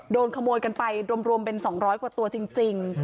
โดนขโมยกันไปรวมเป็น๒๐๐กว่าตัวจริง